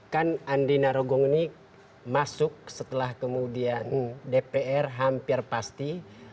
kan andi narogong ini masuk setelah kemudian dpr hampir pasti